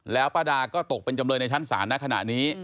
แล้วป้าดาก็ตกเป็นจำเลยในชั้นศาลในขณะนี้